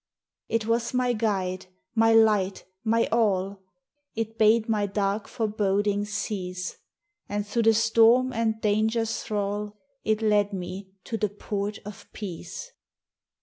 It was my guide, my light, my all, It bade my dark forebodings cease; And through the storm and dangers 1 thrall It led me to the port of peace.